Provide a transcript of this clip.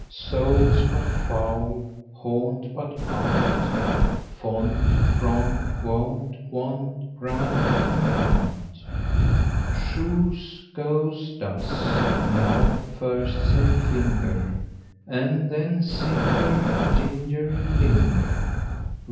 Soul, but foul and gaunt, but aunt; Font, front, wont; want, grand, and, grant, Shoes, goes, does.) Now first say: finger, And then: singer, ginger, linger.